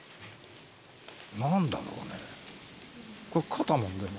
何だろうね。